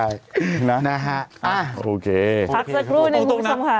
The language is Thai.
ไู้กระปัดซะกู้หนึ่งมุมสำหรับ